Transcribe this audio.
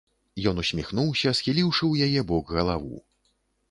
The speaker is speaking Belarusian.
Ён усміхнуўся, схіліўшы ў яе бок галаву.